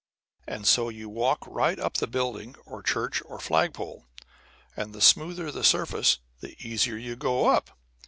And so you walk right up the building or church or flagpole, and the smoother the surface the easier you go up.